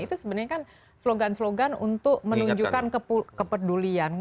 itu sebenarnya kan slogan slogan untuk menunjukkan kepedulian